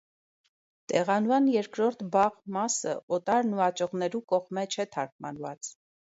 Տեղանուան երկրորդ՝ «բաղ» մասը օտար նուաճողներու կողմէ չէ թարգմանուած։